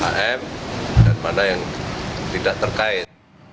dan mana yang tidak terkait